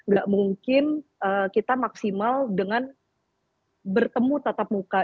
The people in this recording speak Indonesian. gak mungkin kita maksimal dengan bertemu tatap muka